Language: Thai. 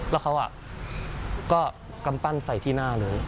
แล้วเขาก็กำปั้นใส่ที่หน้าเลย